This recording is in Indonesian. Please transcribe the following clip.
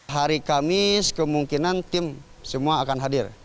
hari kamis kemungkinan tim semua akan hadir